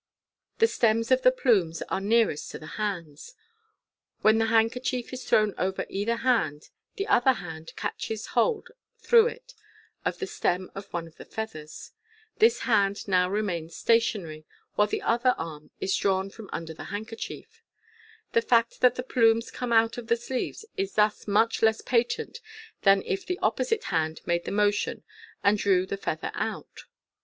The stems of the plumes are nearest to the hands. When the handkiuhief is thrown over either hand, the other hand catches hold through it of the stem of one of the feathers. This hand now remains stationary, while the other arm is drawn from under the handkerchief. The fact that the plumes come out of the sleeves is thus much less patent than if the opposite hand made the motion and drew the feather out.